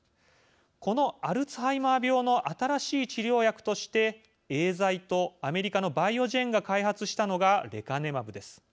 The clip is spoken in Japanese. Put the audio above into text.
このアルツハイマー病の新しい治療薬としてエーザイとアメリカのバイオジェンが開発したのがレカネマブです。